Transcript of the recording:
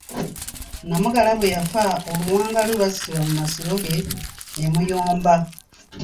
Namugala bwe yafa oluwanga lwe lwassibwa mu masiro ge e Muyomba.